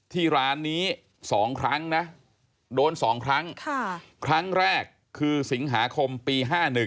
ที่ร้านนี้๒ครั้งนะโดน๒ครั้งครั้งแรกคือสิงหาคมปี๕๑